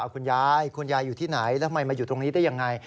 คุณยายคุณยายอยู่ที่ไหนแล้วทำไมมาอยู่ตรงนี้ได้ยังไง